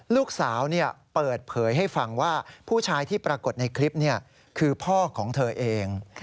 ลูกสาวเปิดเผยให้ฟังว่าผู้ชายที่ปรากฏในคลิปคือพ่อของเธอเอง